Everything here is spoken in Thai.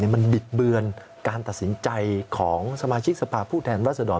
มันบิดเบือนการตัดสินใจของสมาชิกสภาพผู้แทนรัศดร